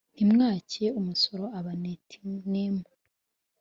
Ntimwake umusoro Abanetinimu.